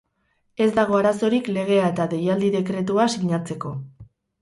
Ez dago arazorik legea eta deialdi-dekretua sinatzeko.